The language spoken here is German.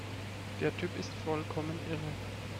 Der Typ ist vollkommen irre!